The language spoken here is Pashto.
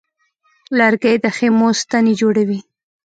لرګی د خیمو ستنې جوړوي.